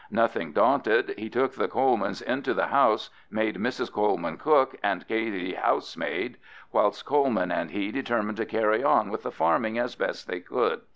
Nothing daunted, he took the Colemans into the house, made Mrs Coleman cook and Katey housemaid, whilst Coleman and he determined to carry on with the farming as best they could.